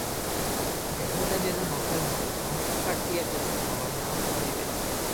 দেহটা যেন নখের মত, নখ কাটিয়া ফেলুন, আবার নখ হইবে।